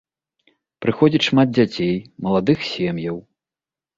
Прыходзіць шмат дзяцей, маладых сем'яў.